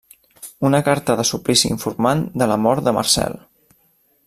Una carta de Sulpici informant de la mort de Marcel.